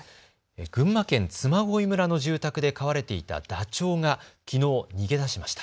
群馬県嬬恋村の住宅で飼われていたダチョウがきのう逃げ出しました。